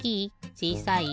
ちいさい？